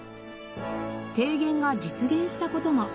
提言が実現した事も。